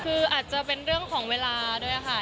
คืออาจจะเป็นเรื่องของเวลาด้วยค่ะ